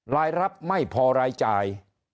รายรับไม่พอรายจ่าย